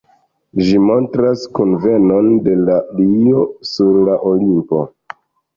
Ĝi montras kunvenon de la dioj sur la Olimpo.